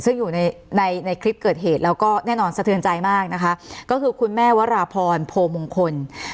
ซึ่งอยู่ในในคลิปเกิดเหตุแล้วก็แน่นอนสะเทือนใจมากนะคะก็คือคุณแม่วราพรโพมงคล